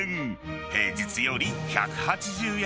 平日より１８０円